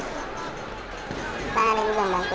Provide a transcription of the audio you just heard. kan ada yang juga membantuin